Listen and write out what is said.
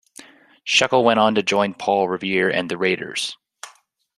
Scheckel went on to join Paul Revere and the Raiders.